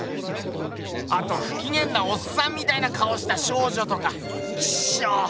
あとふきげんなおっさんみたいな顔をした少女とかキショ！